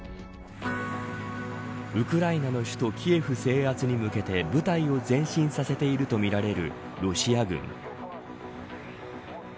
ウクライナの首都キエフ制圧に向けて部隊を前進させているとみられるロシア軍。